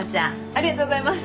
ありがとうございます。